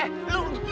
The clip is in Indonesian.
eh lu jangan teriak